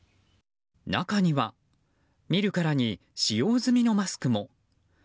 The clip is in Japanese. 中には見るからに使用済みのマスクも。